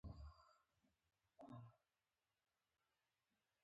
په خاوره کښې خښېدل